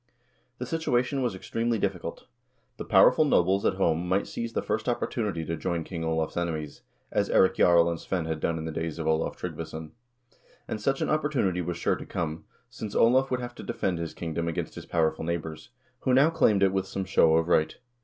The situation was extremely difficult. The powerful nobles at home might seize the first opportunity to join King Olav's enemies, as Eirik Jarl and Svein had done in the days of Olav Trygg vason ; and such an opportunity was sure to come, since Olav would have to defend his kingdom against his powerful neighbors, who now claimed it with some show of right.